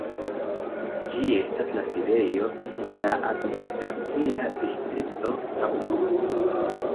Ĝi estas la sidejo de la administracia distrikto samnoma.